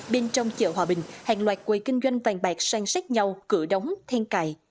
bên trong chợ hòa bình hàng loạt quầy kinh doanh vàng bạc sang sát nhau cửa đóng then cài